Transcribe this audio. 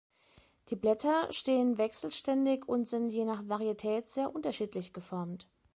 Die Blätter stehen wechselständig und sind je nach Varietät sehr unterschiedlich geformt.